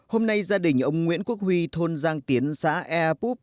hôm nay gia đình ông nguyễn quốc huy thôn giang tiến xã ea púp